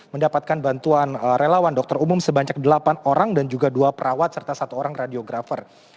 mendapatkan bantuan relawan dokter umum sebanyak delapan orang dan juga dua perawat serta satu orang radiografer